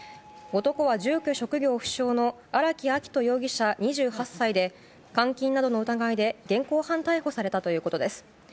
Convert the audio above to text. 男は住居職業不詳の荒木秋冬容疑者、２８歳で監禁などの疑いで現行犯逮捕されたということです。